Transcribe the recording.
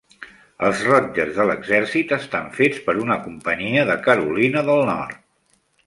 Els rotlles de l'exèrcit estan fets per una companyia de Carolina del Nord.